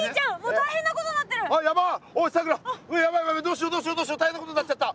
大変なことになっちゃった！